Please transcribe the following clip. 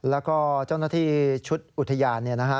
แล้วก็เจ้าหน้าที่ชุดอุทยานเนี่ยนะฮะ